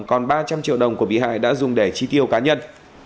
còn ba trăm linh triệu đồng của bị hại đã dùng để chi tiêu cá nhân